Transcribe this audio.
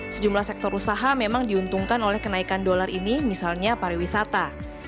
sejumlah sektor usaha memang diuntungkan oleh kenaikan dolar ini misalnya pariwisata